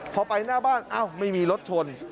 พอไปหน้าบ้านอ้าวไม่มีรถชน